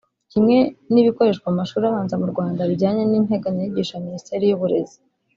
kimwe n’ibikoreshwa mu mashuri abanza mu Rwanda bijyanye n’integanyanyigisho ya Minisiteri y’Uburezi